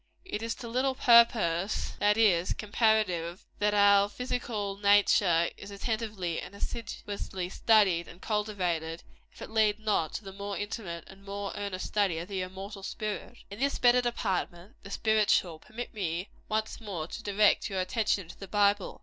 It is to little purpose, that is, comparatively, that our physical nature is attentively and assiduously studied and cultivated, if it lead not to the more intimate and more earnest study of the immortal spirit. In this better department the spiritual permit me, once more, to direct your attention to the Bible.